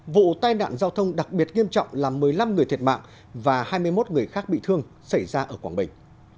vụ tai nạn giao thông đặc biệt nghiêm trọng làm một mươi năm người thiệt mạng và hai mươi một người khác bị thương xảy ra ở quảng bình